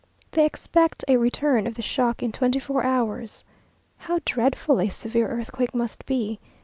They expect a return of the shock in twenty four hours. How dreadful a severe earthquake must be!